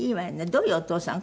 どういうお父さん？